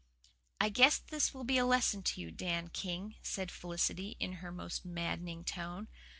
"I guess this will be a lesson to you, Dan King," said Felicity, in her most maddening tone.